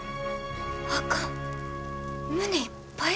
あかん胸いっぱいや。